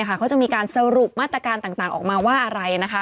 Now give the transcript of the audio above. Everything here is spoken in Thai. เขาจะมีการสรุปมาตรการต่างออกมาว่าอะไรนะคะ